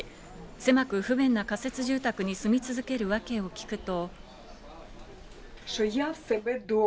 狭く不便な仮設住宅に住み続ける訳を聞くと。